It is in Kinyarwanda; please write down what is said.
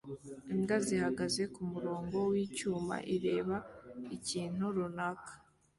Imbwa ihagaze kumurongo wicyuma ireba ikintu runaka